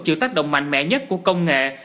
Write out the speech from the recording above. chịu tác động mạnh mẽ nhất của công nghệ